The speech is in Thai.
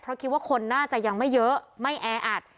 เพราะคิดว่าคนน่าจะยังไม่เยอะไม่แออัด